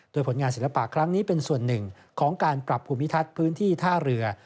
โดยผลงานศิลปะครั้งนี้เป็นส่วนหนึ่งของการปรับภูมิทัศน์พื้นที่ท่าเรือ